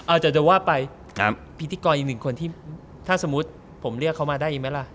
อาจจะจะว่าไปพิธีกรอีกหนึ่งคนที่ถ้าสมมุติผมเรียกเขามาได้อีกไหมล่ะ